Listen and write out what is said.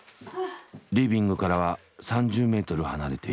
リビングからは３０メートル離れている。